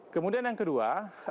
kemudian yang kedua